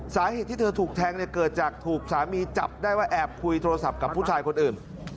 สาเหตุที่เธอถูกแทงเนี่ยเกิดจากถูกสามีจับได้ว่าแอบคุยโทรศัพท์กับผู้ชายคนอื่น